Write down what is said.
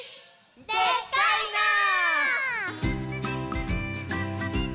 でっかいなあ！